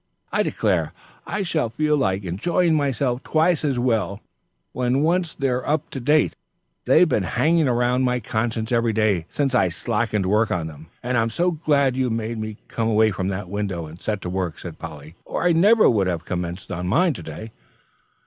"I declare I shall feel like enjoying myself twice as well, when once they're up to date. They've been hanging round my conscience every day since I slackened work on them." "And I am so glad you made me come away from that window, and set to work," said Polly, "or I never would have commenced on mine to day."